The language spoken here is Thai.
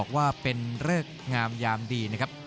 ลาบพล้าว๑๐๑หรือว่าซอยโพกแก้วนะครับ